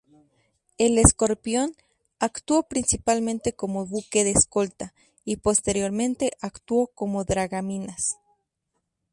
El "Scorpion" actuó principalmente como buque de escolta, y posteriormente actuó como dragaminas.